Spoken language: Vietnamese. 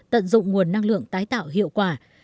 tận dụng nguồn năng lượng tái tạo hiệu quả